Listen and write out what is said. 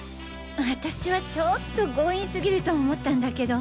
私はちょっと強引すぎると思ったんだけど。